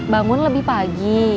bangun lebih pagi